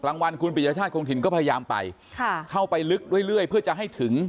กลางวันคุณปิยชาติคงถิ่นก็พยายามไปค่ะเข้าไปลึกเรื่อยเพื่อจะให้ถึง